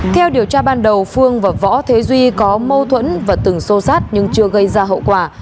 theo điều tra ban đầu phương và võ thế duy có mâu thuẫn và từng xô sát nhưng chưa gây ra hậu quả